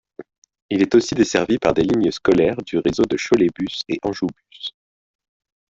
Il est aussi desservi par des lignes scolaires du réseau Choletbus et Anjoubus.